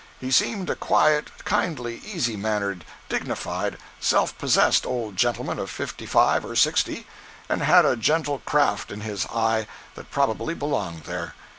He seemed a quiet, kindly, easy mannered, dignified, self possessed old gentleman of fifty five or sixty, and had a gentle craft in his eye that probably belonged there.